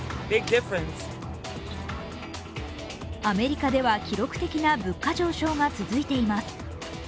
アメリカでは記録的な物価上昇が続いています。